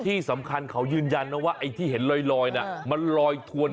ที่สำคัญเขายืนยันนะว่าไอ้ที่เห็นลอยน่ะมันลอยถวน